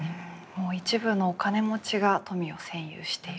もう一部のお金持ちが富を占有していると。